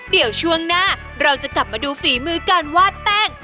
เดี๋ยวช่วงหน้าเราจะกลับมาดูฝีมือการวาดแป้ง